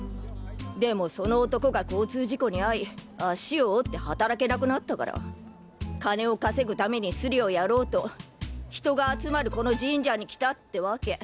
でもその男が交通事故に遭い足を折って働けなくなったから金を稼ぐためにスリをやろうと人が集まるこの神社に来たってワケ。